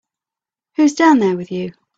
Who's down there with you?